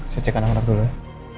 saya cek anak anak dulu ya